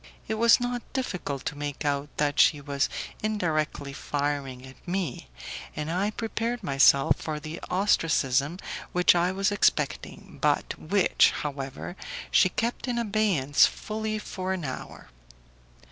It was not difficult to make out that she was indirectly firing at me, and I prepared myself for the ostracism which I was expecting, but which, however, she kept in abeyance fully for an hour.